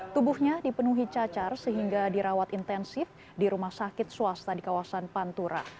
tubuhnya dipenuhi cacar sehingga dirawat intensif di rumah sakit swasta di kawasan pantura